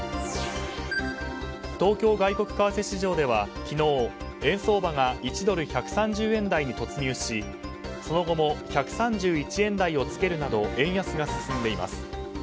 東京外国為替市場では昨日、円相場が１ドル＝１３０円台に突入しその後も１３１円台をつけるなど円安が進んでいます。